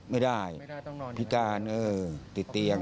ไม่ได้พิการติดเตียง